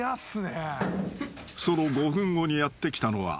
［その５分後にやって来たのは］